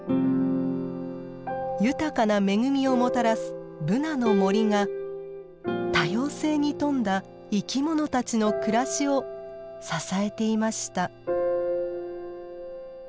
豊かな恵みをもたらすブナの森が多様性に富んだ生き物たちの暮らしを支えていました。